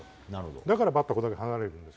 だから、バットが離れるんです。